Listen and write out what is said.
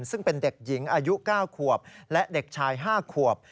ซึ่งเป็นเด็กหญิงอายุ๙ขวบและเด็กชาย๕ขวบ